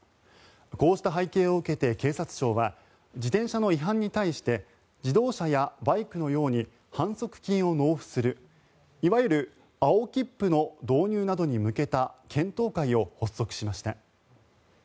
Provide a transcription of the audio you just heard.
こうした背景を受けて警察庁は自転車の違反に対して自動車やバイクのように反則金を納付するいわゆる青切符の導入などに向けた検討会を発足しました。